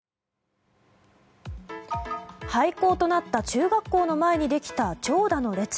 廃校となった中学校の前にできた長蛇の列。